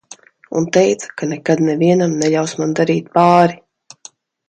Un teica, ka nekad nevienam neļaus man darīt pāri.